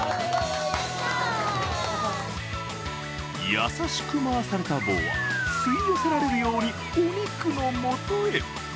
優しく回された棒は吸い寄せられるようにお肉のもとへ。